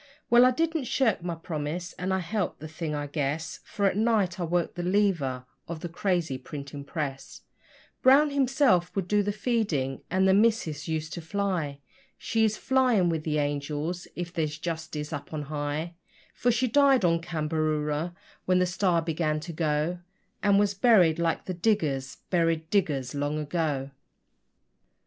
Well, I didn't shirk my promise, and I helped the thing, I guess, For at night I worked the lever of the crazy printing press; Brown himself would do the feeding, and the missus used to 'fly' She is flying with the angels, if there's justice up on high, For she died on Cambaroora when the STAR began to go, And was buried like the diggers buried diggers long ago.